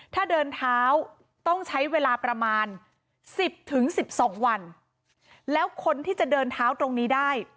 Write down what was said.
ถ้าเดินเท้าต้องใช้เวลาประมาณสิบถึงสิบสองวันแล้วคนที่จะเดินเท้าตรงนี้ได้